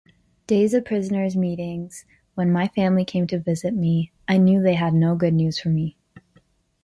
Days of Prisoners' Meetings When My Family came to Visit Me, I knew they had no good news for me